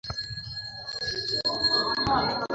আমি তাকে বলি নি।